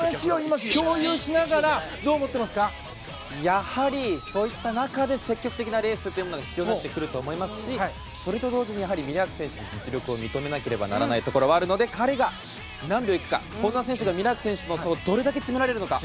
やはりそういった中で積極的なレースが必要になってくると思いますしそれと同時にミラーク選手の実力も認めなければいけないところもあるので彼が何秒いくか本多選手がミラーク選手との差をどれだけ詰められるのか。